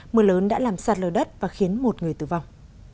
mưa lớn đã làm sạt lở đất và khiến một người tử vong